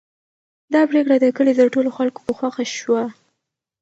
دا پرېکړه د کلي د ټولو خلکو په خوښه شوه.